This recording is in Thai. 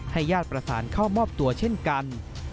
ญาติประสานเข้ามอบตัวเช่นกัน